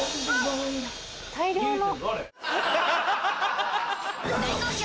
大量の。